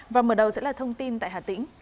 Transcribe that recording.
và mở đầu sẽ là thông tin tại hà tĩnh